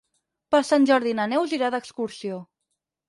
Per Sant Jordi na Neus irà d'excursió.